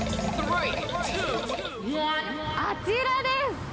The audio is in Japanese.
あちらです。